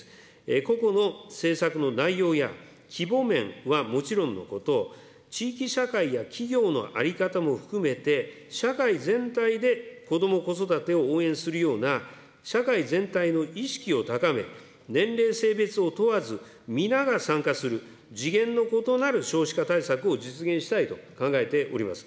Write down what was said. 個々の政策の内容や、規模面はもちろんのこと、地域社会や企業の在り方も含めて、社会全体でこども・子育てを応援するような、社会全体の意識を高め、年齢、性別を問わず皆が参加する、次元の異なる少子化対策を実現したいと考えております。